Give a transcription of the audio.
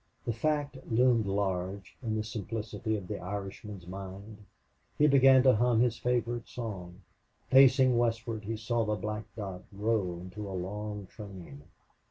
The fact loomed large in the simplicity of the Irishman's mind. He began to hum his favorite song. Facing westward, he saw the black dot grow into a long train.